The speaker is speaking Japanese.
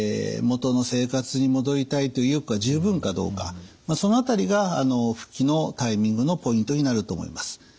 元の生活に戻りたいと意欲が十分かどうかその辺りが復帰のタイミングのポイントになると思います。